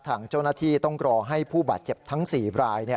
ทางเจ้าหน้าที่ต้องรอให้ผู้บาดเจ็บทั้ง๔ราย